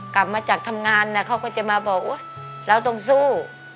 กลับมาจากทำงานเขาก็จะมาบอกอุ๊ยเราต้องสู้